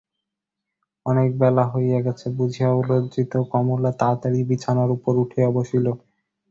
অনেক বেলা হইয়া গেছে বুঝিয়া লজ্জিত কমলা তাড়াতাড়ি বিছানার উপর উঠিয়া বসিল।